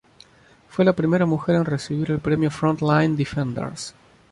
Fue la primera mujer en recibir el premio Front Line Defenders.